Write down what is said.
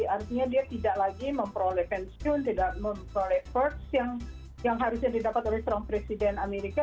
artinya dia tidak lagi memperoleh pensiun tidak memperoleh first yang harusnya didapat oleh seorang presiden amerika